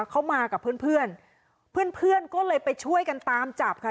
เขามากับเพื่อนเพื่อนเพื่อนก็เลยไปช่วยกันตามจับค่ะ